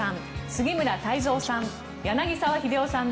杉村太蔵さん